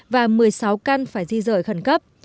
và một mươi sáu căn phải di rời khẩn cấp